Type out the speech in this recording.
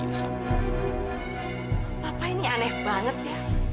bapak ini aneh banget ya